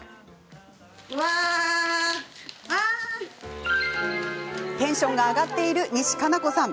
何やらテンション上がっている西加奈子さん。